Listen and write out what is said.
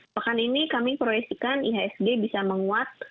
pekan ini kami proyeksi kan ihsg bisa menguat